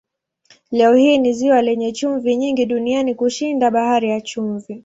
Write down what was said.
Leo hii ni ziwa lenye chumvi nyingi duniani kushinda Bahari ya Chumvi.